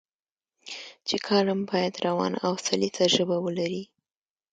چې کالم باید روانه او سلیسه ژبه ولري.